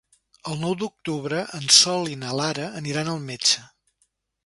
El nou d'octubre en Sol i na Lara aniran al metge.